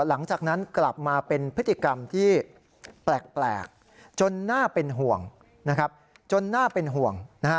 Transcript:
หลังจากนั้นกลับมาเป็นพฤติกรรมที่แปลกจนหน้าเป็นห่วง